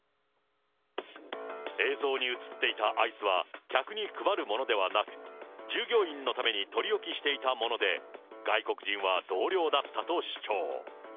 映像に写っていたアイスは客に配るものではなく、従業員のために取り置きしていたもので、外国人は同僚だったと主張。